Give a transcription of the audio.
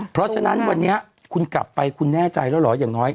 เพราะฉะนั้นวันนี้คุณกลับไปคุณแน่ใจแล้วเหรออย่างน้อย